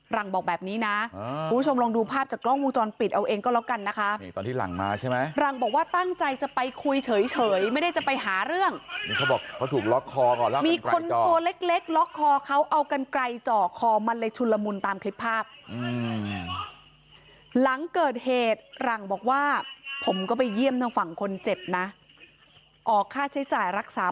หลังบอกแบบนี้นะคุณผู้ชมลองดูภาพจากกล้องวงจรปิดเอาเองก็แล้วกันนะคะนี่ตอนที่หลังมาใช่ไหมหลังบอกว่าตั้งใจจะไปคุยเฉยไม่ได้จะไปหาเรื่องนี่เขาบอกเขาถูกล็อกคอก่อนแล้วมีคนตัวเล็กเล็กล็อกคอเขาเอากันไกลจ่อคอมันเลยชุนละมุนตามคลิปภาพหลังเกิดเหตุหลังบอกว่าผมก็ไปเยี่ยมทางฝั่งคนเจ็บนะออกค่าใช้จ่ายรักษา